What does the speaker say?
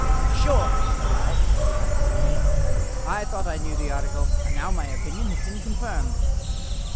"Sure," said I, as I slapped my knee, "I thought I knew the article, and now my opinion has been confirmed."